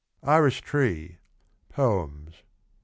Iris Tree. POEMS.